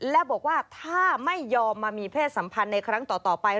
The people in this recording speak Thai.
และบอกว่าถ้าไม่ยอมมามีเพศสัมพันธ์ในครั้งต่อไป